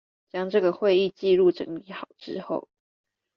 會將這個會議紀錄整理好之後